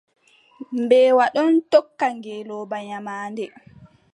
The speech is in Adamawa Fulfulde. Mbeewa ɗon tokka ngeelooba nyamaande.